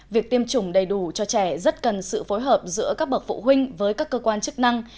việc tiêm chủng đầy đủ cho trẻ rất cần sự phối hợp giữa các bậc phụ huynh với các cơ quan chức năng